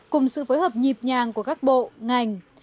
cùng sự phối hợp nhịp nhàng của các bộ ngành